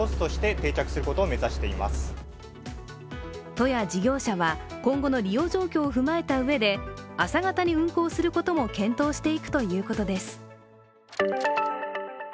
都や事業者は、今後の利用状況を踏まえたうえで朝方に運航することも検討していくということです。